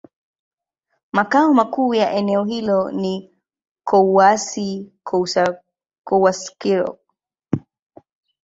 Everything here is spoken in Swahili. Makao makuu ya eneo hilo ni Kouassi-Kouassikro.